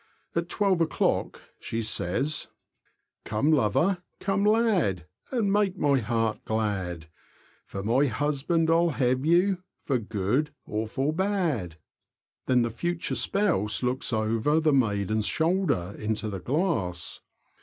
At twelve o'clock she says :— Come, lover — come, lad, And make my heart glad ; For my husband I'll have you. For good or for bad. Then the future spouse looks over the maiden's shoulder into the glass.